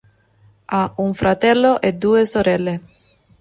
Ha un fratello e due sorelle.